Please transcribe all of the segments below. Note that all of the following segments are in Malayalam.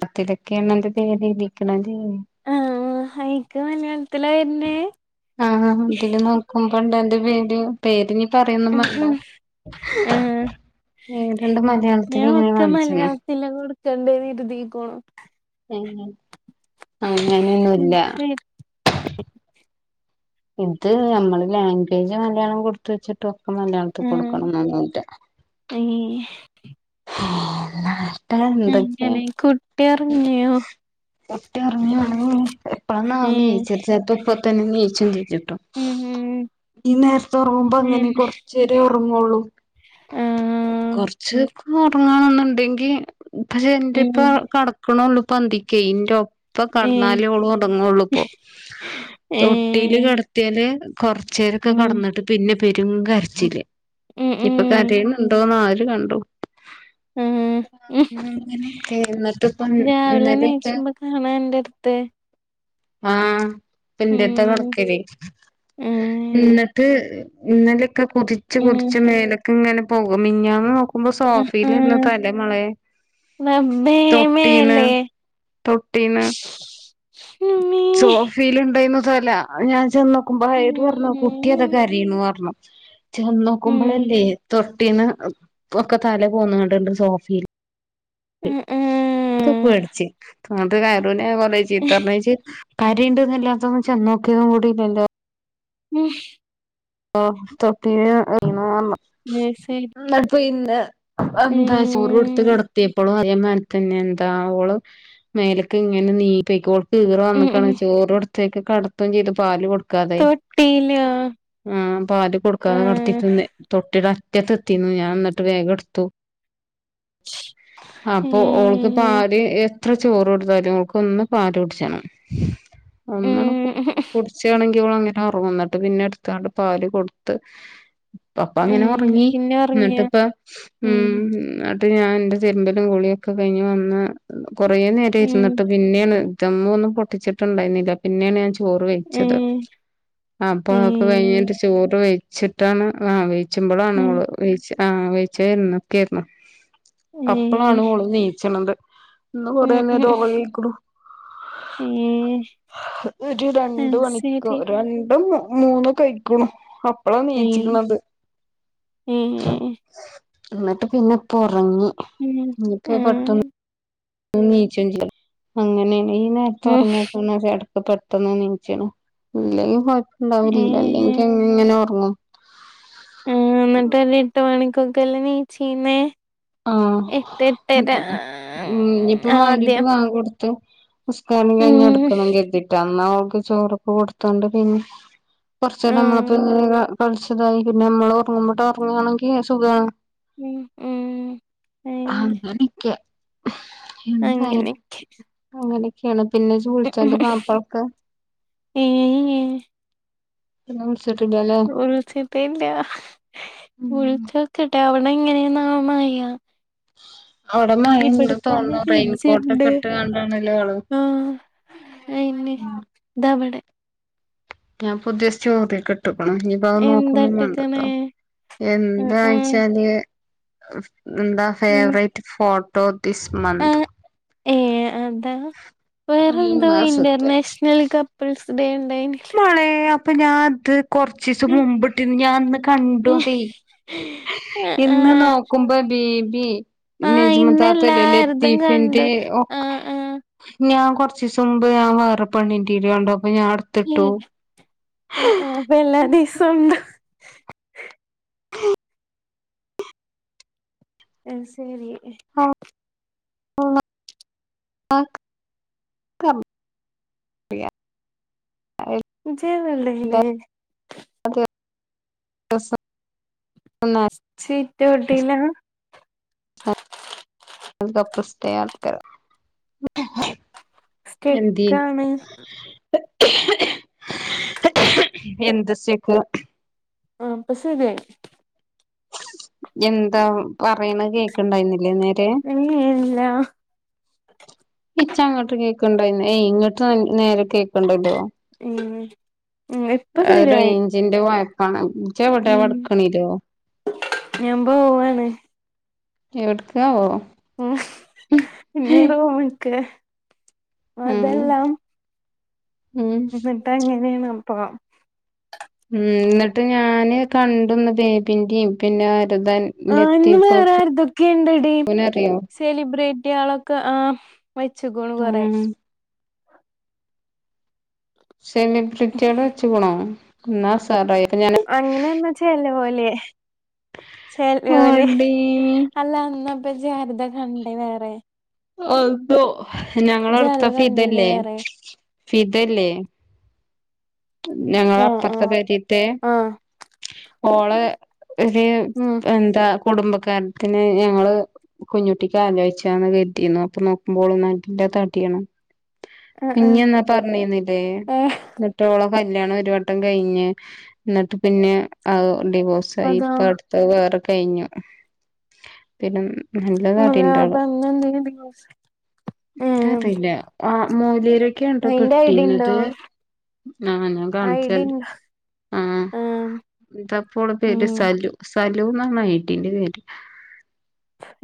പത്തി തക്കെ എണ നിക്കണംതി [unintelligible] ആഹ് എനിക്ക് മലയാളത്തിലാ വരുന്നേ ആഹ് തില് നോക്കുമ്പോണ്ട അന്റെ പേര് പേരിനി പറയുന്നു ഉം മാണ്ട ഉം ആഹ് ടെണ്ട് മലയാളത്തിങ്ങനെ കാണിച്ചണം ഇല്ല കൊടുക്കണ്ടേന്ന് എരുതിീക്കോണ അങ്ങനൊന്നുല്ല ശരി ഇത് നമ്മള് ലാംഗ്വേജ് മലയാളം കൊടുത്ത വച്ചിട്ടുംൊക്കെ മലയാളത്തി കൊടുക്കണം എന്നൊന്നുമില്ല അ [unintelligible] ല്ലാ എന്തൊക്കെയ അങ്ങനെ കുട്ടി ഒറങ്ങിയോ ഒറ്റ ഇറങ്ങിയവാണെങ്കിൽ എപ്പഴന്ന ഏഹ് ജേച്ചച്ചേത്ത ഇപ്പ തന്നെ ജേച്ചും ജയിച്ചിട്ടോ ഉം ഉം [unintelligible] ഈ നേരത്തെ ഉറങ്ങുമ്പോ അങ്ങനെ പിന്നെ കൊറച്ച് ചരി ഉറങ്ങള്ളൂ ആഹ് കൊറച്ചക്ക ഉറങ്ങാനൊന്നുണ്ടെങ്കി പെ എന്റെ [unintelligible] ഇപ്പ ഉം കടക്കണള്ളു പന്തിക്കറൊ ഇപ്പൊ ഏഹ് കടന്നാലള ഉടങ്ങള്ളൂപ്പോൊ തൊട്ടിയില് ഏഹ് കിടത്തിയല് [unintelligible] കൊറച്ച പേരൊക്കെ [unintelligible] ഉം കടന്നിട്ട് പിന്നെ പെരു കരച്ചിൽ ഉം ഇപ്പൊ ഉം കരയന്നുണ്ടോന്ന് ആര് കണ്ടു ആഹ് ഉം അങ്ങനെയക്കെ മറ്റിപ്പം രാവിലെ നതൊക്കെ നീച്ചുമ്പോ [unintelligible] കാണാ എന്റെടുത്ത് ആഹ ഉം പന്റെട്ത്തകടക്കൽ ഏഹ് എന്നിട്ട് ഇന്നലെയൊക്കെ കുദിച്ച് ഉം കുദിച്ച്മേലൊക്കെ ഇങ്ങനെ പോകും മിഇഞ്ഞാന്ന് ആുമ്പോ സോഫിൽ ആഹ് ഇന്നതല്ലേ മളയെ [unintelligible] റബ്ബേ തൊട്ടീന്ന് മേലേ തൊട്ടീന്ന് സോഫിൽ ഉണ്ടുന്നതല ഞാൻ ചെന്ന് നോക്കുമ്പോ ഏത് പറഞ്ഞു കുട്ടിയതൊക്കെ കരീണു അറന്നു ചെന്ന് നോക്കുമ്പോളല്ലേ തൊട്ടീന്ന് ഒക്കെ തല പോന്ന്ങ്ങാണ്ട് ണ്ട് സോഫീല് ആകെ പേടിച്ച് അത് കയറുനെ ഞാ കൊറെ തൊട്ടിയിലോ ചീത്തർഞ്ഞ് ഇജ്ജ് കരയ്ണ്ട്ന്ന്‌ന്നല്ലതൊന്ന് ചെന്നോക്കിതും കൂടില്ലല്ലോ ഉം ഓ തൊട്ടില് ഉറങ്ങിയെന്ന്. മേസൈയ്ഡ് ഇന്നട്ട് ഇന്ന് എന്താ ചോറ് കൊട്ത്ത് കെട്ത്ത്യേപ്പളും അതെ മാര്യേ - പിന്നെന്താ ഓള് മേലക്ക് ഇങ്ങനെ നീ പെയ്‌ക്കോൾ ഈറ വന്ന്ക്കാണ് ചോറൊട്ത്ത് ത്തേക്ക് കടത്തും ചെയ്തു പാല് കൊട്ക്കാതെ ട്ടിനോ ആഹ് പാല് കൊട്ക്കാതെ കടത്തീട്ട്ന്ന് തൊട്ടീടെ അറ്റത്തെത്തീന്നു ഞാൻ ഇന്നട്ട് വേഗം ഇട്ത്തു. അപ്പൊ ഓൾക്ക് ഉം പാല് എത്ര എത്ര ചോറ് കൊട്ത്താലും ഓക്ക് ഒന്ന് പാല് കുട്ച്ചണം, ഒന്നണ് ഉംഹ് ഉംഹ് ഉച്ചെണെങ്കി ഓളങ്ങനെ ഒറങ്ങും ന്ന്ട്ട് പിന്നെ എട്ത്താണ്ട് പാല് കൊട്ത്ത് ഇപ്പപ്പോ ഉം അങ്ങനെ ഒറങ്ങി പിന്നെ ഉറങ്ങിയോ ഇന്ന്ട്ട്പ്പ ഉം എന്നിട്ട് ഞാൻ ന്റെ തിര്മ്പലും കുളിയൊക്കെ കഴിഞ്ഞ് വന്ന് കൊറെ നേരം ഉം ഇര്ന്ന്ട്ട് പിന്നെണ്, ദം ഒന്നും പൊട്ടിച്ച്ട്ട്ണ്ടായ്ന്നില്ല പിന്നെണ് ഞാ ചോറ് വെയ്ച്ചത് ഉം അപ്പൊ ഉം കെയ്ഞ്ഞ്ട്ട് ചോറ് വെയ്ച്ച്ട്ടാണ് ആഹ് വെയ്ച്ചുമ്പളാണ് ഉം ഓള് വെയ്ച്ച് ആഹ് വെയ്ച്ചാഇര്ന്ന്ക്കെയ്നു ഉം അപ്പളാണ് ഓള് നീച്ച്ണത് ഇന്ന് ഉം ഉം കൊറേനേരം ഓയെയ്ക്കുണു ഉം ഒര് രണ്ട് അത് മണിക്ക്‌ ശരി രണ്ടും മൂന്നും ഒക്കെയ്ക്കുണു അപ്പളാ ഉം നീച്ച്ക്ക്‌ണത്. ഉം ന്ന്ട്ട് പിന്നെ ഇപ്പൊറങ്ങി. ഉം ഇൻക്ക് ആ പെട്ടെന്ന് നീച്ചുംച്ചെയ്യും അങ്ങനേണ്, ഈ ഉം നേരത്തൊറങ്ങ്യ പെണ്ണ് എടക്ക് പെട്ടെന്ന് നീച്ച്ണ് ഇല്ലെങ്കി കൊയപ്പണ്ടാവലില്ല, ഉം അല്ലെങ്കി അങ്ങനെ ഓറങ്ങും. ആഹ് ന്ന്ട്ട് ഒര് എട്ട് മണിക്കൊക്കെല്ല നീചീന്നേ ആഹ് ഉം ഇഞ്ഞിപ്പൊ മര്ബി ആദ്യം വാങ്കോട്ത്ത് ത്ത് ഉസ്ത്താനീം കെയ്ഞ്ഞ് ഉം അട്ക്കണം കെര്തീ- റ്റന്നാ ഓൾക്ക് ചോറൊക്കെ കൊട്ത്താണ്ട് പിന്നെ ആ കൊറച്ചേരം നമ്മളപ്പങ്ങനെ ക- കളിച്ച്തായി പിന്നെ നമ്മള് ഒറങ്ങുമ്പോട്ട് ഒറങ്ങാണെങ്കി സുഖാണ്. ഉം ഉം അങ്ങനെ അങ്ങനെക്കെ എന്തായാലും അങ്ങനെയൊക്കെ അങ്ങനെ ഒക്കെയാണ് പിന്നെ ഇജ്ജ് വുൾച്ചന്റെ മാപ്പ്ൾക്ക്? ഏയ് ഹീയ് പിന്നെ വുൾച്ച്ട്ടില്ലല്ലെ വുളിച്ച്ട്ടില്ല ഉം വുൾച്ചോക്കട്ടെ അവടെ എങ്ങനെന്നാവോ മയ [inaudible] അവടെ മയ ഇണ്ട് തോൺണു റെയിൻകോട്ടൊക്കെ ഫ്രിഡ്ജ്ണ്ട് ഇട്ട്ങ്ങാണ്ടാണല്ലേ ആള് ആ ഉം ഇതാവടെ ഞാ പുത്യേ സ്റ്റോറി ഒക്കെ ഇട്ട്ക്കുണു ഇഞ്ഞി - വ എന്താ നോക്കൊന്നും വാണ്ട ഇട്ടേക്കണേ ഉം ഉം എന്താച്ചാല് ന്ത ഉം ഫേവറേറ്റ് ഫോട്ടോ ദിസ് മന്ത്. ഏഹ് അതാ ഈ വേറെന്തോ മാസത്തെ ഇന്റർനാഷണൽ ഇങ്ങള് കപ്പ്ൾസ് ഡേ ഇണ്ടായിന് മളെ അപ്പൊ ഞാത് കൊർച്ച് കൊർച്ചീസം മുമ്പ്ട്ടിന്ന് ഞാൻ അന്ന് കണ്ടു അതേയ്, ഇന്ന് ആ നോ- കുംഭ ബിബി ആ നിജ്മദാത്തല ഇന്നെല്ലാര്തും കണ്ടു ലത്തീഫിന്റെ ഒ ആ ആ ആ ഞാൻ കുറച്ച ദിവസം മുമ്പ് ഞൻ വേറെ പണ്ണിൻന്റെീരി ഉണ്ടോ അപ്പൊ ഞാൻടു ഉ ഉ അപ്പൊ പിന്നെ ദിവസംണ്ട് ആ ശരി ആ [unintelligible] ആ [unintelligible] ജയനല്ലനെ അത്ന്ന [unintelligible] സിറ്റൗട്ടില അപ്പ്രസ്റ്റേ ആൾക്കാര ഹെന്ടെ സ്റ്റിക്കാണ് എന്ത് സ്റ്റെക് ആഹ് ഇപ്പോശേരിയായി എന്താ പറയണ കേക്കണ്ടായിരുന്നില്ലേ നേരെ ഏ, ഇല്ല ചച്ച അങ്ങോട്ട് കേക്കണ്ടായിന്ന് ഏയ് ഇങ്ങട്ട് നേരെ കേക്കണ്ടല്ലോ ഉം ഉം ഇപ്പൊ അ ശരിയായി റേഞ്ചിന്റെ വായ്പാണത് ചവിടെ ഉം വടക്കണല്ലോ ഞാൻ പോവാണ് എവിടുക്ക ഓ ഇന്നിറൂം ഇൻക്ക് ഉം അതെല്ലാം ഉം എന്നിട്ടാ [unintelligible] പോ ഉം എന്നിട്ട് ഞാന് കണ്ടന്ന് ബേബിന്റെയും പിന്നെ അരുതൻ ആ ഇന്ന് വേറെരുതൊക്കെ ഇണ്ട്ടി അറിയോ സെലിബ്രിറ്റികളൊക്കെ ആഹ് വെച്ചു ഗുണ കുറെ ഉം സെമി ബ്രിറ്റേഡ് വെച്ചകിനോ ന്നാ ഉസാറായി ഞൻ അങ്ങനെന്നാ ചല്ല പോലെ ചല്ല പോലെ എടീ അല്ലാ അന്ന് ഇപ്പൊ ആർത്ഥ കണ്ടേ വേറെ അതോ ഞങ്ങള ജാരത അടുത്ത കണ്ടീനെ ഫിതല്ലേ വേറെ ഫിതല്ലേ ഞങ്ങള ആഹ് അപ്പത്തെ ആഹ് പരിയത്തെ ആഹ് ഓള ഒരു ഉം എന്താ കുടുംബക്കാരത്തിന് ഞങ്ങള് കുഞ്ഞുട്ടിക്ക് ആലോചിച്ചന്ന് കറ്റിരുന്നു അപ്പൊ നോക്കുമ്പോൾൊ നന്റെ താട്ടിയാണ്. ആഹ് ആഹ് കുഞ്ഞെന്നാ പറഞ്ഞന്നില്ലേ ഏഹ് റ്റോള കല്യാണം ഒരു വട്ടം കഴിഞ്ഞ് എന്നിട്ട് പിന്നെ ഡിവോഴ്സായി അതാ ഇപ്പ ആഹ് വേറെ കഴിഞ്ഞു പിന്നെ നല്ല അതാ അപ്പ നാട്ടീണ്ടോണ് അന്നെന്തേനി ദിവസ് ഉം കാട്ടയില്ല ആഹ് മോലേരൊക്കെ ഉണ്ടോ അയിന്റെ ഐഡി ഇണ്ടോ കെട്ടീന്നത് ആഹ് ഞാൻ ഐഡി കാണിച്ചല്ലേ ഇണ്ടോ ആഹ് ഇതപ്പോള പേര് ഉം സലു സലൂന്നാണ് ഐടിന്റെ പേര്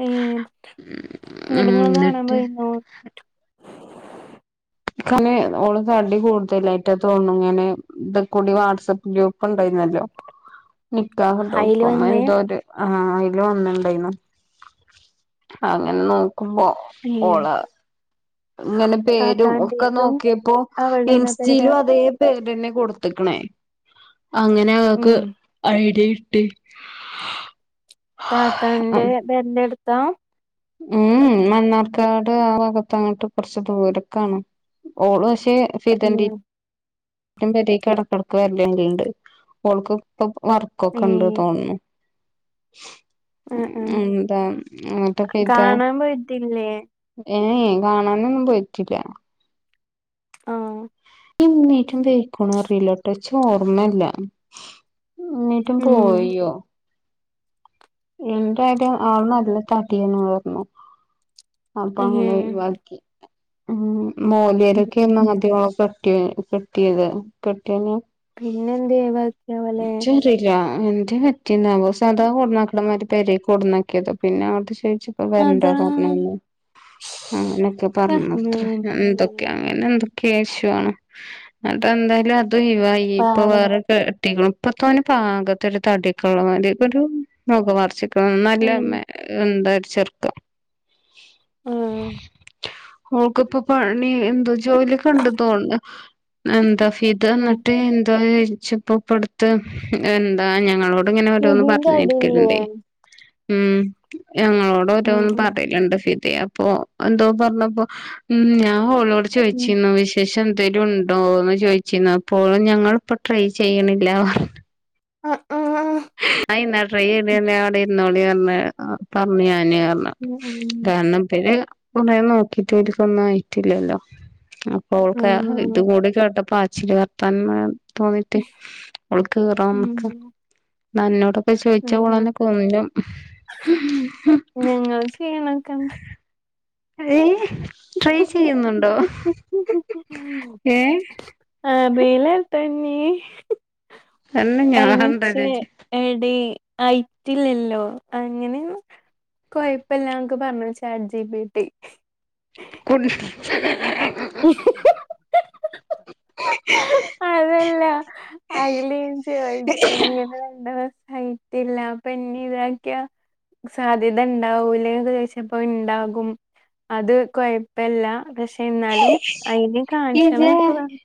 ഏഹ് നിട്ട് ഉം നിങ്ങളൊക്കെ കാണാൻ എന്നിട്ട് പോയിന്നോ ഇനെ ഓള് തടി കൂടുതലായിറ്റാ തോന്നും ഇങ്ങനെ ഇത കൂടി വാട്സആപ്പ് ഗ്രൂപ്പ് ഉണ്ടായിരുന്നല്ലോ അയില് നിക്കാഹ്ണ്ടോക്ക വന്ന് എന്തോ ഒരു ആഹ് അതില് വന്നിണ്ടായിന അങ്ങനെ നോക്കുമ്പോ ഓള് [unintelligible] ഇങ്ങനെ പേരും ഒക്കെ താത്താന്റെറ്റും നോക്കിയപ്പോ അവളേണോ പെര ഇൻസ്റ്റയിലും അതേ പേര്ന്നെ കൊടുത്തക്കണേ അങ്ങനെ അവക്ക് ഉം ഐഡിയ കിട്ടി ആ [unintelligible] താത്തന്റെ തിരഞ്ഞെടുത്താ ഉം മണ്ണാർക്കാട് ആഹ് ഭാഗത്ത് അങ്ങോട്ട് കുറച്ച് ദൂരൊക്കാണ് ഓള് പക്ഷെ തന്റെ ഉം പരേക്ക് ഇടക്കിടക്കു വരലുണ്ട് അവൾക്ക് ഇപ്പൊ ഏ വർക്കൊക്കെ ഇണ്ട് തോന്നുന്നു ആ ആ ഉം എന്താ കാണാൻ പോയിട്ടില്ലേ ഏഹ് കാണാനൊന്നും പോയിറ്റില്ല ആഹ് ഇങ്ങീട്ടും പോയ്ക്കണോന്നറിയില്ല ട്ടോ ച്ച് ഓർമ്മയില്ല എന്നിട്ടും ഉം പോയോ എന്തായാലും ആൾനെ നല്ല തടിയാ പറന്നു അപ്പൊ അങ്ങനെ ഉം ഒഴിവാക്കി ഉം മോല്യരൊക്കെ ഒും ഉം മധ്യമൊക്കെ കെട്ടിയത് കെട്ടിയത് പിന്നെ എന്ത് ഒഴിവാക്കി ഓലെ എന്റെ പറ്റിന്നാവോ സാദാ കൊടന്നാക്കടമാതിരി പെരെ കൊടന്നാക്കിയത് പിന്നെ അവടെ ചോദിച്ചു വരണ്ടാ അതാ പറഞ്ഞന്ന് അങ്ങനൊക്കെ പറഞ്ഞ് അത്രേ റഹ്മാനേ എന്തൊക്കെയാണ് അങ്ങനെ എന്തൊക്കെയ ഇഷ്യൂണ് എന്നിട്ട് എന്തായാലും അത് ഒഴിവായി ഇപ്പൊ പാവം വേറെ കുട്ടികളും ഇപ്പത്തവന് പാകത്തൊരു ഒരു തടിയൊക്കുള്ള മാതിരി ഒരു ഉം ഒക്കെ മർച്ചിക്ക നല്ല ഉം എന്ത ചെയ്യു ഉം ഓൾക്കിപ്പം പണി എന്തോ ജോലി കണ്ടു തോണ്ണ് എന്താ ഫിദ ഇത് വന്നിട്ട് എന്താച്ച ഇപ്പൊ ഇപ്പ അടുത്ത് എന്താ ഞങ്ങളോട് ഇങ്ങനെ ഒരോന്ന് നിധിന്റെ അടില്ലേ പറഞ്ഞിരിക്കലണ്ടേ നി ഉം ഞങ്ങളോട ഉം ഓരോന്നും ഉം പറലണ്ട് ഫിദ അപ്പൊ എന്തോ പറഞ്ഞപ്പോ ഉം ഞാൻ ഓളോട് ഉം ചോച്ചിരുന്നു വിശേഷം എന്തേലും ഉണ്ടോന്ന് ചോദിച്ചിരുന്നു അപ്പോഴും ഞങ്ങളിപ്പോ ട്രൈ ചെയ്യണില്ല പറഞ്ഞു ആഹ് ആഹ് ആന്നാ ട്രൈപൈത് അവിടെ ഇരുന്നോളി പറ പറഞ്ഞു ഞാന് പറഞ്ഞു ഉം ഉം കാരണം പിന്നെ കൊറ നോക്കിട്ട് ഓരിക്കൊന്നും ആയിട്ടില്ലല്ലോ ആ ഓൾക്ക് ഇതും കൂടി കേട്ടപ്പോ അച്ചില് വർത്താനം തോന്നീട്ട് ഓൾക്ക് ഈറാം ഉം നമുക്ക് നന്നോടൊക്കെ ആ ചോയിച്ച ആ ഓളന്നെ കൊല്ലും [unintelligible] ഏഹ് ട്രൈ ചെയ്യുന്നുണ്ടോ ഏഹ് ആഹ് അറീല ട്ടഞ്ഞി തന്നെ അയി ഞാണ്ട നിച്ച് ചേച്ചി എടീ ഹൈറ്റില്ലല്ലോ അങ്ങനെ കൊഴപ്പല്ലാ ന്നൊക്കെ പറഞ്ഞ ചാറ്റ് ജി പി ടി കുൺ [inaudible] [inaudible] ആയിലും ചോയ്ച്ചു രണ്ട് വയസായി കിട്ടല്ല അപ്പം പിന്നെ ഇതാക്കിയ സാധ്യത ഉണ്ടാവൂലെ ചോദിച്ചപ്പോ ഉണ്ടാകും അത് കുഴപ്പല്ല പക്ഷെ എന്നാലും അയിത് കാണിച്ചണം എന്നൊക്കെ പറഞ്ഞ്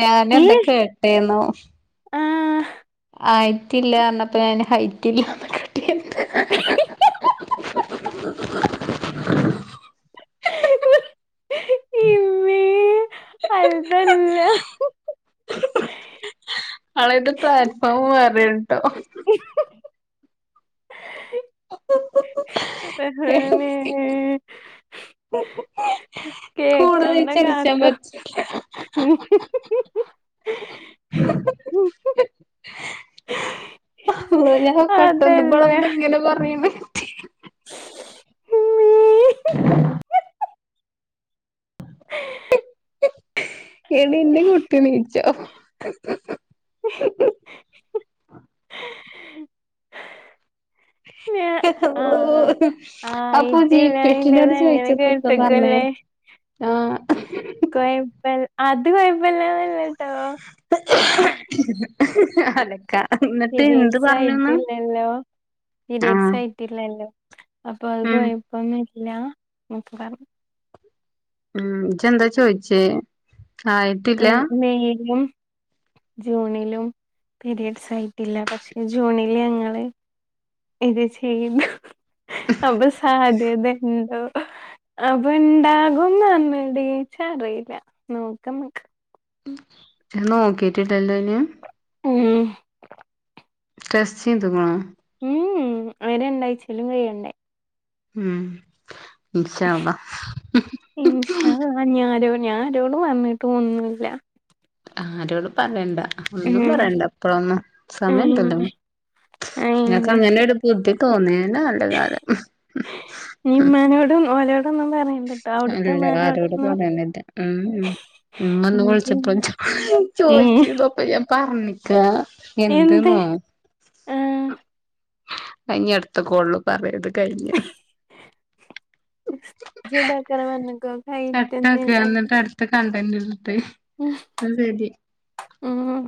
ഞാന് എന്തൊക്കെ കേട്ടേന്നോ ആഹ് ആയിട്ടില്ല പറഞ്ഞപ്പം ഞൻ ഹയിറ്റില്ല [inaudible] [inaudible] [inaudible] അല്ല അവളത് പ്ലാറ്റ്ഫോം വേറെട്ടോ റഹ്മാനേ കൂടുതൽ കേക്കണ്ട ചിരിച്ചാൻ കാക്ക പറ്റൂല ഞാൻ കട്ടെന്ന് അതല്ല ബ്ളെന്താ ഇങ്ങനെ പറയണേ നീ എടീ ന്റെ കുട്ടി നീച്ചോ ഞാ- ആ ഓ അപ്പൊ ആയിട്ടില്ല നിന്റേത് ജീപെറ്റ്നോട് അങ്ങനെ ചോയിച്ചപ്പൊത്താ പറഞ്ഞേ കേട്ടക്കല്ലേ ആഹ് കൊയപ്പൽ അത് കൊയപ്പല്ലന്നല്ലട്ടോ അതെ ക്ക ഇന്നിട്ട് എന്ത് പീരിയഡ്സ് പറഞ്ഞുന്ന് ആഹ ട്ടില്ലല്ലോ അപ്പൊ അത് കൊ ഴപ്പൊന്നുല്ല നക്ക് പറഞ്ഞ മം ഇജ്ജെന്താ ചോയിച്ചേ ആയിട്ടില്ല മെയിലും ജൂണിലും പീരിയഡ്സ് ആയിട്ടില്ല പക്ഷെ ജൂണില് ഞങ്ങള് ഇത് ചെയ്യ്ണ്ടോ അപ്പൊ സാധ്യത ഇണ്ടോ അപ്പ ഉണ്ടാകുംന്നറിഞ്ഞടി ഇച്ചറീല നോക്കമ്മ ഞാ നോക്കീട്ടില്ലല്ലോയിന് മം ടെസ്റ്റെയ്ത്ക്ക്‌ണോ ഉം ഉം അയിന് രണ്ടായിചേലും കയ്യണ്ടേ ഉം ഇൻശാ അല്ലാഹ് ഇന്ഷാ അല്ലാഹ് ഞാരോ ഞആരോടും പറഞ്ഞിട്ടൊന്നും ഇല്ല ആരോടും പറണ്ടാ ഒന്നും ഉം പറയണ്ട ഇപ്പഴൊന്നും സമയണ്ടല്ലോ ഉം ങ്ങക്ക് അയിന് അങ്ങനൊരു ബുദ്ധി തോന്നിയന്നെ നല്ല കാലം ഇമ്മാനോടും ഓലോടൊന്നും പറയ അല്ല ആരോടും പറയ്ണില്ല മം മം ഇമ്മ ഇന്ന് ഉം വിളിച്ചപ്പളും പിന്നെ ചോ ഉം ചോയിച്ച് അപ്പം ഞാൻ പറഞ്ഞ് ക്കാ എന്ത് എന്ത്ന്നോ ആഹ് അഇഞ്ഞ് അട് ത്ത കാൾ പറിയാ ഇത് കഴിഞ്ഞ് ഇജ്ജെന്താക്കാന പറഞ്ഞക്ക ടൈറ്റനല്ലേ ത്ത കണ്ടന്റെന്നട്ട് ഉം അതെ അതെ ഉം